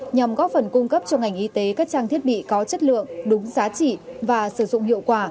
nhằm góp phần cung cấp cho ngành y tế các trang thiết bị có chất lượng đúng giá trị và sử dụng hiệu quả